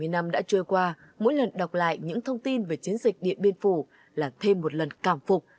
bảy mươi năm đã trôi qua mỗi lần đọc lại những thông tin về chiến dịch điện biên phủ là thêm một lần cảm phục